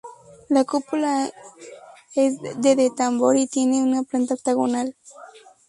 La cúpula es de de tambor y tiene una planta octogonal.